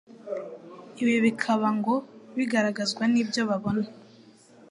ibi bikaba ngo bigaragazwa n ibyo babona